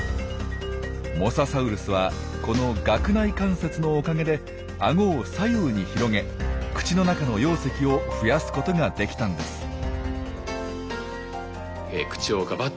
モササウルスはこの顎内関節のおかげであごを左右に広げ口の中の容積を増やすことができたんです。